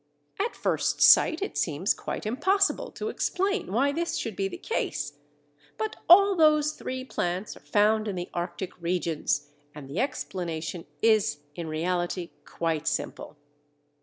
At first sight it seems quite impossible to explain why this should be the case. But all those three plants are found in the Arctic regions, and the explanation is in reality quite simple.